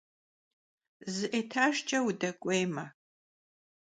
Zı etajjç'e vudek'uêyme.